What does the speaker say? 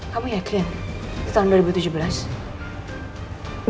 kamu yakin tahun dua ribu tujuh belas